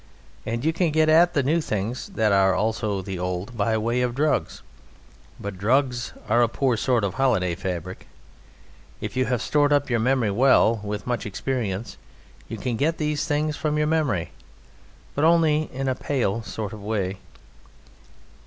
And you can get at the new things that are also the old by way of drugs, but drugs are a poor sort of holiday fabric. If you have stored up your memory well with much experience you can get these things from your memory but only in a pale sort of way.